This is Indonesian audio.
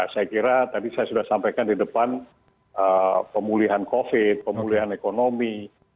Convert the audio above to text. saya kira tadi saya sudah sampaikan di depan pemulihan covid pemulihan ekonomi